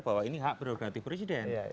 bahwa ini hak prerogatif presiden